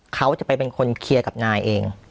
เขาจะไปเป็นคนเคลียร์กับนายเอง